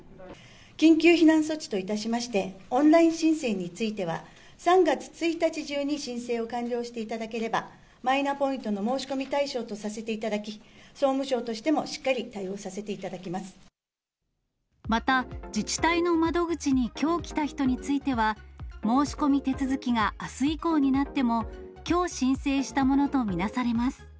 緊急避難措置といたしまして、オンライン申請については、３月１日中に申請を完了していただければ、マイナポイントの申し込み対象とさせていただき、総務省としてもまた、自治体の窓口にきょう来た人については、申し込み手続きがあす以降になっても、きょう申請したものと見なされます。